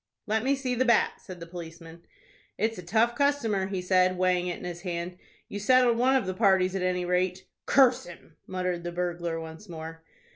"Let me see the bat," said the policeman. "It's a tough customer," he said, weighing it in his hand; "you settled one of the parties, at any rate." "Curse him!" muttered the burglar once more.